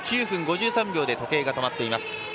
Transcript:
９分５３秒で時計が止まっています。